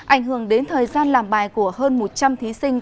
ảnh hưởng đến thời gian làm bài của hơn một trăm linh thí sinh